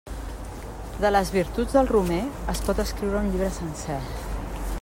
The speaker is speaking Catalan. De les virtuts del romer es pot escriure un llibre sencer.